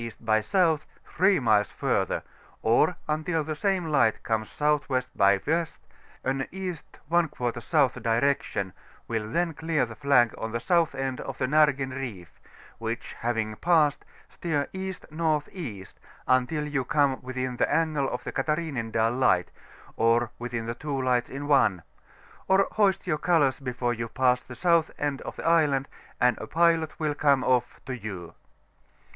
by S., 3 miles further, or until the same light comes S.W. by W.; anB i S. direction will then clear the flag on the south end of the Nargen Beef, which having passed, steer E.N.E. until you come within the ansle of the'Uatharinendiil Light, or with the two lights in one; or hoist your colours before you pass the south end of the island, and a pilot will come ofi* to you.